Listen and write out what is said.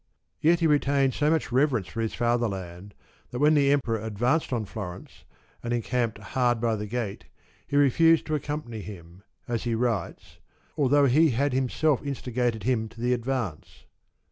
Yet he retained so much reverence for his fatherland that when the Emperor advanced on Florence and encamped hard by the gate, he refused to accompany him, as he writes^ although he had himself instigated him to the advance.